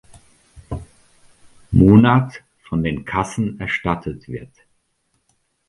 Monat von den Kassen erstattet wird.